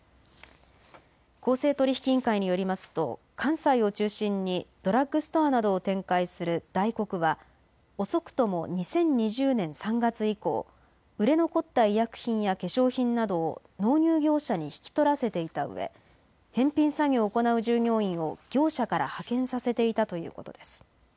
公正取引委員会によりますと関西を中心にドラッグストアなどを展開するダイコクは遅くとも２０２０年３月以降、売れ残った医薬品や化粧品などを納入業者に引き取らせていたうえ返品作業を行う従業員を業者から派遣させていたということです。